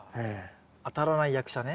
当たらない役者ね。